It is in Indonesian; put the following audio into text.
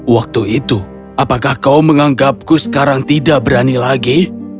waktu itu apakah kau menganggapku sekarang tidak berani lagi